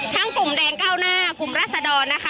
กลุ่มแดงเก้าหน้ากลุ่มรัศดรนะคะ